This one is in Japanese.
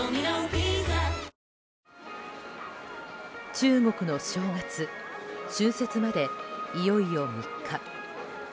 中国の正月、春節までいよいよ３日。